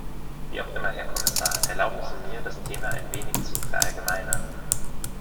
Wie auch immer, Herr Kommissar, erlauben Sie mir, das Thema ein wenig zu verallgemeinern.